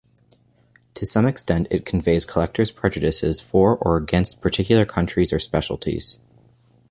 To some extent it conveys collectors' prejudices for or against particular countries or specialties.